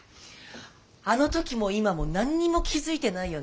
あの時も今も何にも気付いてないよね。